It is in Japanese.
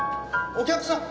お客さん。